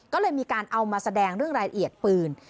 ก็เลยมีการเอามาแสดงเรื่องรายละเอียดปืน